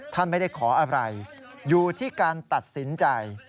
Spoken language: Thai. ท่านไม่ได้ขออะไรอยู่ที่การตัดสินใจ